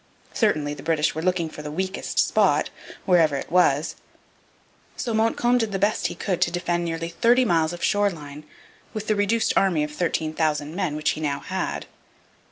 Certainly the British were looking for the weakest spot, wherever it was. So Montcalm did the best he could to defend nearly thirty miles of shoreline with the reduced army of 13,000 men which he now had.